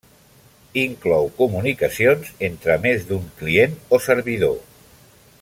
Inclou comunicacions entre més d'un client o servidor.